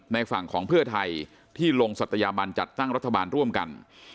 ฝั่งของเพื่อไทยที่ลงศัตยาบันจัดตั้งรัฐบาลร่วมกัน